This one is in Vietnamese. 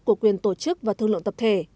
của quyền tổ chức và thương lượng tập thể